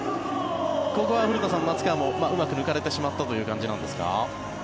ここは古田さん、松川もうまく抜かれてしまったという感じなんですか。